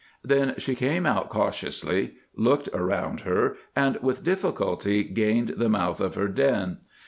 Then she came out cautiously, looked around her, and with difficulty gained the mouth of her den.